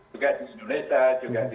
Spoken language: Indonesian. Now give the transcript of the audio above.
juga di indonesia juga di